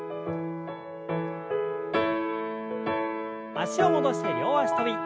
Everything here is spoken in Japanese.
脚を戻して両脚跳び。